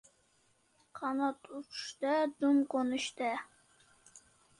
• Qanot — uchishda, dum — qo‘nishda.